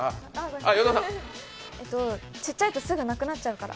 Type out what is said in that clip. ちっちゃいとすぐなくなっちゃうから。